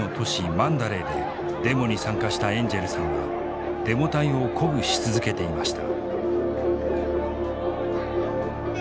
マンダレーでデモに参加したエンジェルさんはデモ隊を鼓舞し続けていました。